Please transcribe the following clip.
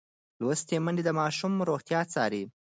لوستې میندې د ماشوم روغتیا څاري.